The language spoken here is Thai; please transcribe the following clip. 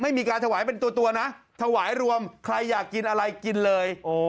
มีการถวายเป็นตัวนะถวายรวมใครอยากกินอะไรกินเลย